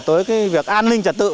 tới cái việc an ninh trật tự